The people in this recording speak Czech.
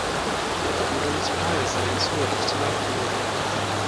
Tato údolí s mnoha jezery jsou ledovcového původu.